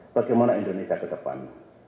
bagaimana indonesia ke depan